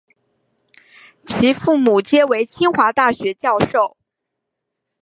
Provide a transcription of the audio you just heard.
其父母皆为清华大学教授。